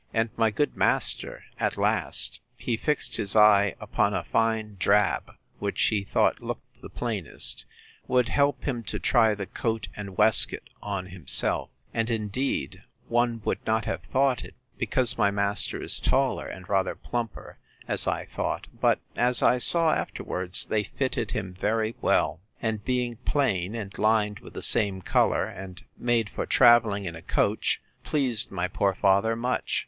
And my good master, at last, (he fixed his eye upon a fine drab, which he thought looked the plainest,) would help him to try the coat and waistcoat on himself; and, indeed, one would not have thought it, because my master is taller, and rather plumper, as I thought but, as I saw afterwards, they fitted him very well. And being plain, and lined with the same colour, and made for travelling in a coach, pleased my poor father much.